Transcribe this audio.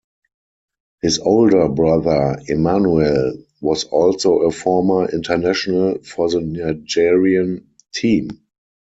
His older brother Emmanuel was also a former international for the Nigerian team.